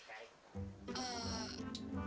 sekarang fatima lihat